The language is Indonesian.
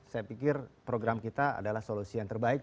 saya pikir program kita adalah solusi yang terbaik